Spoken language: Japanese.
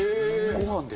ご飯で？